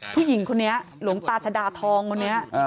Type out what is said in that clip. ผู้หญิงคนนี้หลวงตาชดาทองคนนี้